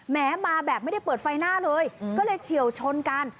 แม้มาแบบไม่ได้เปิดไฟหน้าเลยก็เลยเฉียวชนกัน